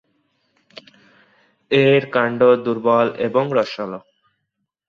এর কাণ্ড দুর্বল এবং রসালো।